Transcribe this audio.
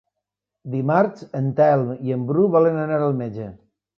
Dimarts en Telm i en Bru volen anar al metge.